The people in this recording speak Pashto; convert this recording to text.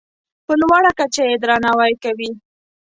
په لوړه کچه یې درناوی کوي.